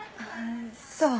そう。